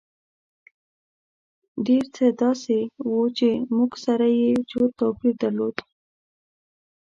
ډېر څه داسې وو چې موږ سره یې جوت توپیر درلود.